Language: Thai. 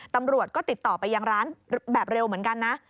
ตำรวจก็ติดต่อไปยังร้านแบบเร็วเหมือนกันนะ